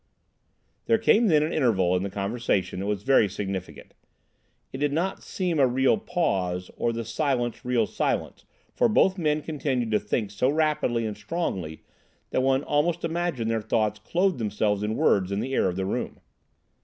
There came then an interval in the conversation that was very significant. It did not seem a real pause, or the silence real silence, for both men continued to think so rapidly and strongly that one almost imagined their thoughts clothed themselves in words in the air of the room.